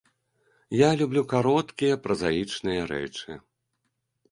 Я люблю кароткія празаічныя рэчы.